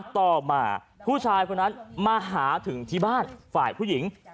ต่อมาผู้ชายคนนั้นมาหาถึงที่บ้านฝ่ายผู้หญิง